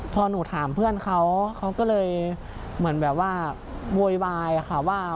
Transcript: พอหนูถามเพื่อนเขาเขาก็เลยเหมือนแบบว่าโวยวายค่ะว่า